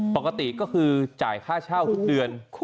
ปกติก็คือจ่ายค่าเช่าทุกเดือน